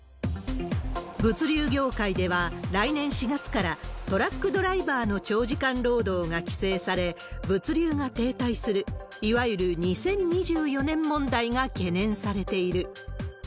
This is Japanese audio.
物流業界では、来年４月からトラックドライバーの長時間労働が規制され、物流が停滞する、いわゆる２０２４年問題が懸念されている。